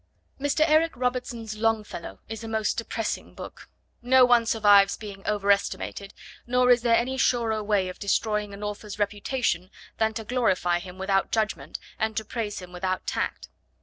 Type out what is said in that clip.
Mr. Eric Robertson's Longfellow is a most depressing book. No one survives being over estimated, nor is there any surer way of destroying an author's reputation than to glorify him without judgment and to praise him without tact.